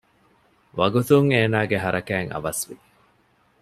ވަގުތުން އޭނާގެ ހަރަކާތް އަވަސްވި